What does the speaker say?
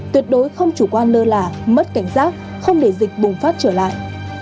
tuyệt đối không chủ quan lơ là mất cảnh giác không để dịch bùng phát trở lại